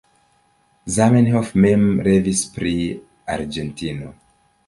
Zamenhof mem revis pri Argentino.